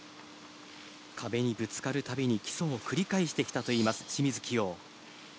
壁にぶつかる度に基礎を繰り返してきたといいます。